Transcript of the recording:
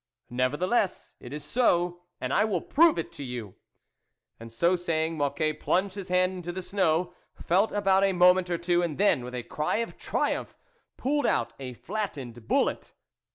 Nevertheless it is so, and I will prove it to you." And so saying, Mocquet plunged his hand into the snow, felt about a moment or two, and then, with a cry of triumph, pulled out a flattened bullet.